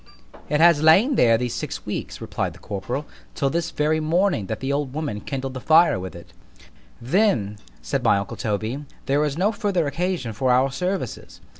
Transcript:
It has lain there these six weeks, replied the corporal, till this very morning that the old woman kindled the fire with it— ——Then, said my uncle Toby, there is no further occasion for our services.